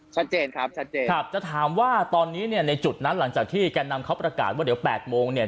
ชัดเจนครับชัดเจนครับจะถามว่าตอนนี้เนี่ยในจุดนั้นหลังจากที่แก่นำเขาประกาศว่าเดี๋ยวแปดโมงเนี่ย